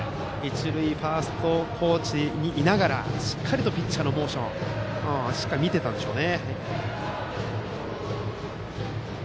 ファーストコーチにいながらしっかりとピッチャーのモーションを見ていたんでしょう。